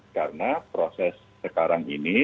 karena proses sekarang ini